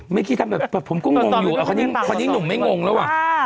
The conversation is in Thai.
มันเคี้ยทำแบบทนนี้หนุ่มไม่งงแล้ว